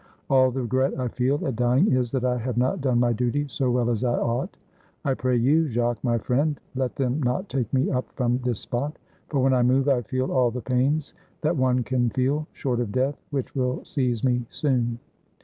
All the regret I feel at dying is that I have not done my duty so well as I ought. I pray you, Jacques, my friend, let them not take me up from this spot, for, when I move, I feel all the pains that one can feel, short of death which will seize me soon."